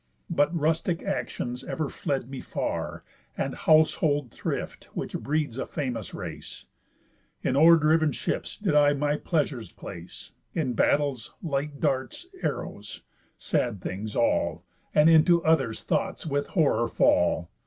But rustic actions ever fled me far, And household thrift, which breeds a famous race. In oar driv'n ships did I my pleasures place, In battles, light darts, arrows. Sad things all, And into others' thoughts with horror fall.